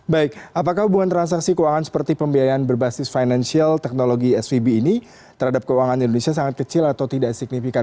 baik apakah hubungan transaksi keuangan seperti pembiayaan berbasis financial teknologi svb ini terhadap keuangan indonesia sangat kecil atau tidak signifikan